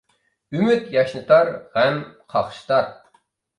ئۈمىد ياشنىتار، غەم قاقشىتار.